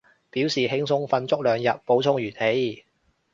表示輕鬆瞓足兩日，補充元氣